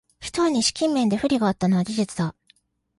ひとえに資金面で不利があったのは事実だ